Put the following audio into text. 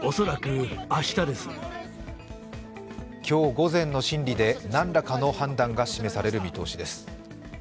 今日午前の審理で何らかの判断が示される見通しです。